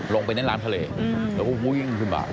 ลงไปในร้านทะเลแล้วก็วิ่งขึ้นมา